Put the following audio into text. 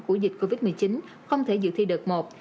của dịch covid một mươi chín không thể dự thi đợt một